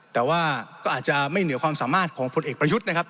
แต่ว่าก็อาจจะไม่เหนือความสามารถของผลเอกประยุทธ์นะครับ